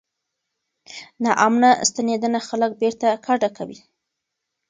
ناامنه ستنېدنه خلک بیرته کډه کوي.